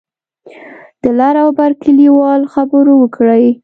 د لر او بر کلیوال خبرو وکړې.